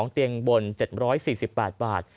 เตียงบน๗๔๘บาท